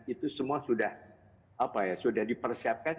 itu semua sudah dipersiapkan